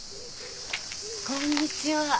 こんにちは。